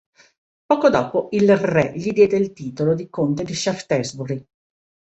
Poco dopo il re gli diede il titolo di conte di Shaftesbury.